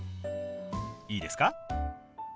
いいですか？